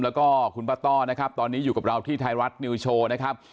แล้วก็คุณป้าต้อนะครับตอนนี้อยู่กับเราที่ไทยรัฐนิวโชว์นะครับ